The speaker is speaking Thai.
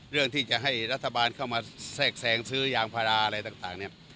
เรื่องที่จะให้รัฐบาลเข้ามาแทรกแซงซื้อยางพาราอะไรต่างเนี่ย